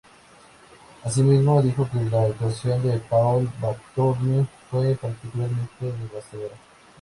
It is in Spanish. Así mismo, dijo que la actuación de Paul Blackthorne fue "particularmente devastadora".